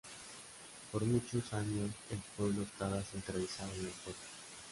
Por muchos años el pueblo estaba centralizado en el puerto.